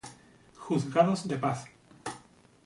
Juzgados de Paz.